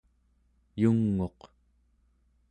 yung'uq